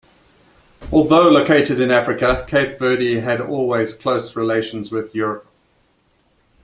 Although located in Africa, Cape Verde had always close relations with Europe.